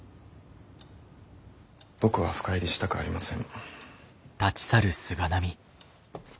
僕は深入りしたくありません。